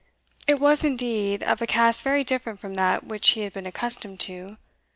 It was, indeed, of a cast very different from that which he had been accustomed to.